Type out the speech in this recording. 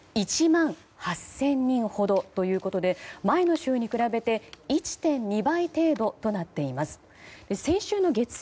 １万８０００人ほどということで前の週に比べて１．２倍程度となっています。